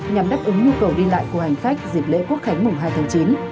nhằm đáp ứng nhu cầu đi lại của hành khách dịp lễ quốc khánh mùng hai tháng chín